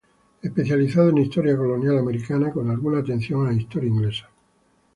Especializado en historia colonial americana, con alguna atención a historia inglesa.